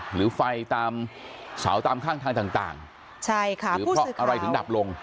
หรือไฟตามเสาตามข้างทางต่างใช่ค่ะหรือเพราะอะไรถึงดับลง